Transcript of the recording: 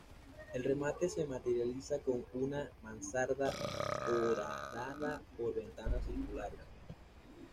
El remate se materializa con una mansarda horadada por ventanas circulares.